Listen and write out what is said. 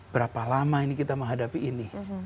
berapa lama ini kita menghadapi ini